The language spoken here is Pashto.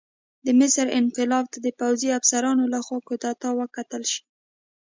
د مصر انقلاب ته د پوځي افسرانو لخوا کودتا وکتل شي.